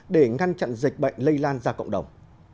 để ngăn chặn dịch bệnh lây lan ra cộng đồng